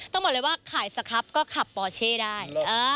ต้องบอกเลยว่าขายสครับก็ขับปอเช่ได้